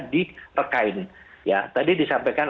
di rekain tadi disampaikan